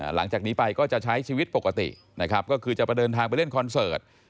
หลังจากนี้ไปก็จะใช้ชีวิตปกตินะครับก็คือจะไปเดินทางไปเล่นคอนเสิร์ต